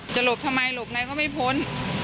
หลบทำไมหลบไงก็ไม่พ้น